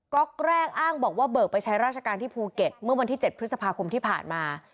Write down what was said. ็อกแรกอ้างบอกว่าเบิกไปใช้ราชการที่ภูเก็ตเมื่อวันที่๗พฤษภาคมที่ผ่านมา